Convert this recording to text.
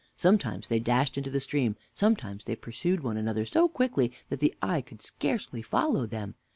Sometimes they dashed into the stream; sometimes they pursued one another so quick, that the eye could scarcely follow them.